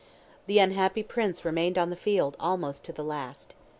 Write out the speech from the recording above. The unhappy prince remained on the field almost to the last.